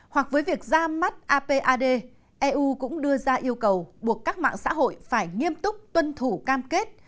hoặc với việc ra mắt apad eu cũng đưa ra yêu cầu buộc các mạng xã hội phải nghiêm túc tuân thủ cam kết